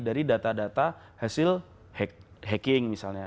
dari data data hasil hacking misalnya